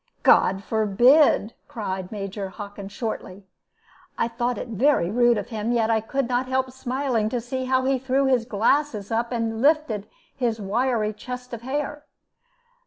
"God forbid!" cried Major Hockin, shortly. I thought it very rude of him, yet I could not help smiling to see how he threw his glasses up and lifted his wiry crest of hair.